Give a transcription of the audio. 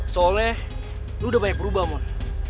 soalnya lo udah banyak berubah mon